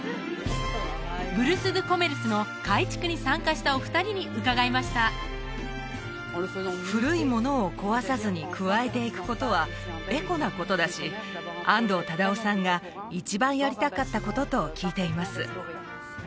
ブルス・ドゥ・コメルスの改築に参加したお二人に伺いました古いものを壊さずに加えていくことはエコなことだし安藤忠雄さんが一番やりたかったことと聞いています